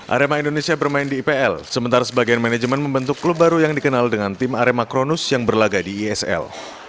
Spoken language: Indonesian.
arema indonesia bermain di ipl sementara sebagian manajemen membentuk klub baru yang dikenal dengan tim arema kronus yang berlaga di isl